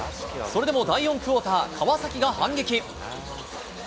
それでも第４クオーター、川崎が反撃。